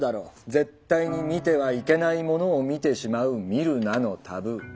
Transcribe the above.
絶対に見てはいけないものを見てしまう「見るなのタブー」。